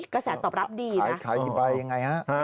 กระแสตอบรับดีนะขายอีกใบอย่างไรฮะ